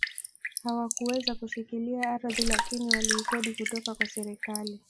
Hawakuweza kushikilia ardhi lakini waliikodi kutoka kwa serikali